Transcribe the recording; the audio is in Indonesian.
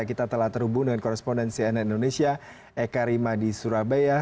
kita telah terhubung dengan korespondensi nn indonesia eka rima di surabaya